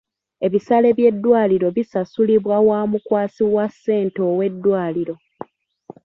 Ebisale by'eddwaliro bisasulibwa wa mukwasi wa ssente ow'eddwaliro.